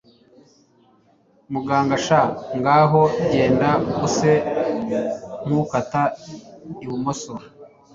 muganga sha ngaho genda, use nkukata ibumoso